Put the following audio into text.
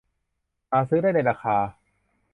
หาซื้อได้ในราคา